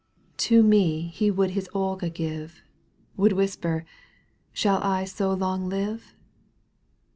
^ To me he would his Olga give, Would whisper : shall I so long live?